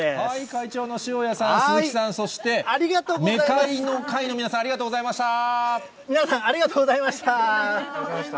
会長の塩谷さん、鈴木さん、そしてメカイの会の皆さん、ありがとうございました。